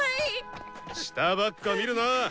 下ばっか見るな！